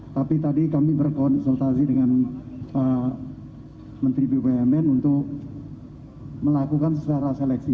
tapi tadi kami berkonsultasi dengan menteri bumn untuk melakukan secara seleksi